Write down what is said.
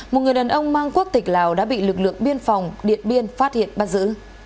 một người đàn ông mang quốc tịch lào đã bị lực lượng biên phòng điện biên phát hiện bắt giữ